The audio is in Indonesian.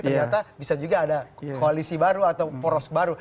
ternyata bisa juga ada koalisi baru atau poros baru